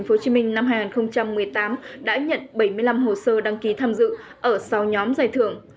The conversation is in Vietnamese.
tp hcm năm hai nghìn một mươi tám đã nhận bảy mươi năm hồ sơ đăng ký tham dự ở sáu nhóm giải thưởng